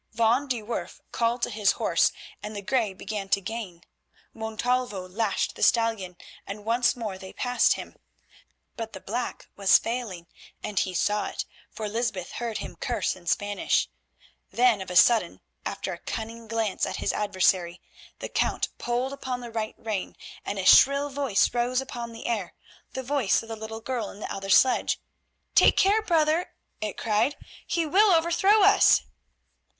Van de Werff called to his horse, and the grey began to gain. Montalvo lashed the stallion, and once more they passed him. But the black was failing, and he saw it, for Lysbeth heard him curse in Spanish. Then of a sudden, after a cunning glance at his adversary, the Count pulled upon the right rein, and a shrill voice rose upon the air, the voice of the little girl in the other sledge. "Take care, brother," it cried, "he will overthrow us."